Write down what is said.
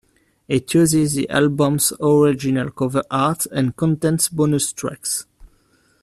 It uses the album's original cover art and contains bonus tracks.